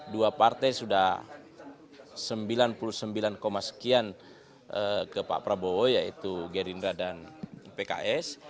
dua partai sudah sembilan puluh sembilan sekian ke pak prabowo yaitu gerindra dan pks